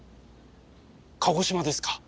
鹿児島ですか。